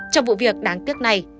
trong vụ việc đáng tiếc này